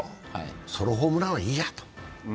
ソロホームランはいいやと。